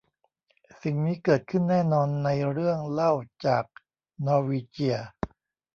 สิ่งนี้เกิดขึ้นแน่นอนในเรื่องเล่าจากนอร์วีเจีย